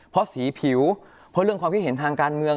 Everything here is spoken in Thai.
เพราะสีผิวเพราะเรื่องความคิดเห็นทางการเมือง